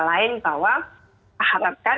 lain bahwa harapkan